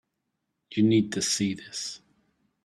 You need to see this.